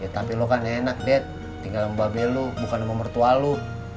tapi lo kan enak det tinggal mbak belu bukan nomor tua lu